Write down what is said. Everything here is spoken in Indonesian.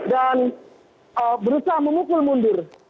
dan berusaha memukul mundur